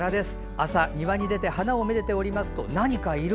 朝、庭に出て花をめでておりますと、何かいる。